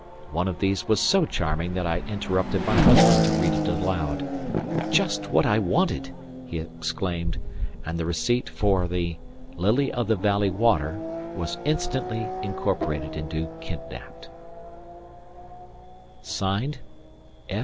One of these was so charming that I interrupted my husband to read it aloud. "Just what I wanted!" he exclaimed; and the receipt for the "Lily of the Valley Water" was instantly incorporated into Kidnapped.